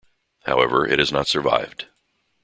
However, it has not survived.